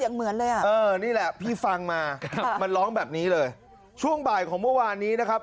เหมือนเลยอ่ะเออนี่แหละพี่ฟังมาครับมันร้องแบบนี้เลยช่วงบ่ายของเมื่อวานนี้นะครับ